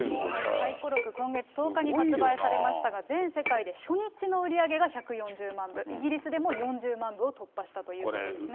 回顧録、今月１０日に発売されましたが、全世界で初日の売り上げが１４０万部、イギリスでも４０万部を突破したということですね。